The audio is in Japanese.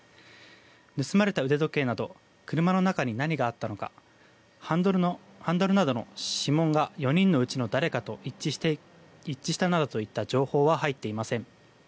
盗まれた腕時計など車の中に何があったのかハンドルなどの指紋が４人のうちの誰かと一致したなどといった情報は入っていません。